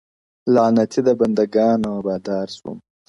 لعنتي د بنده گانو او بادار سوم-